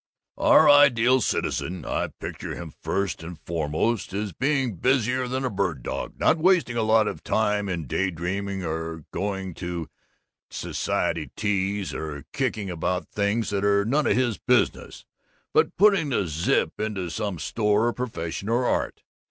"'Our Ideal Citizen I picture him first and foremost as being busier than a bird dog, not wasting a lot of good time in day dreaming or going to sassiety teas or kicking about things that are none of his business, but putting the zip into some store or profession or art.